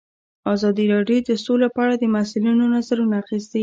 ازادي راډیو د سوله په اړه د مسؤلینو نظرونه اخیستي.